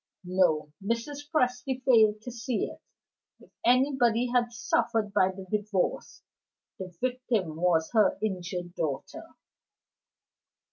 (No: Mrs. Presty failed to see it; if anybody had suffered by the Divorce, the victim was her injured daughter.)